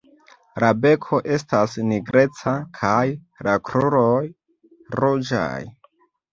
La beko estas nigreca kaj la kruroj ruĝaj.